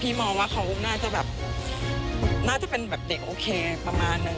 พี่มองว่าเขาน่าจะเป็นเด็กโอเคประมาณนึง